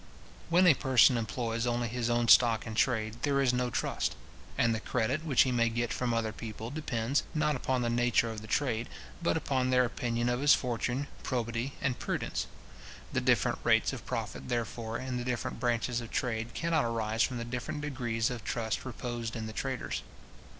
When a person employs only his own stock in trade, there is no trust; and the credit which he may get from other people, depends, not upon the nature of the trade, but upon their opinion of his fortune, probity and prudence. The different rates of profit, therefore, in the different branches of trade, cannot arise from the different degrees of trust reposed in the traders.